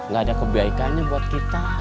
gak ada kebaikannya buat kita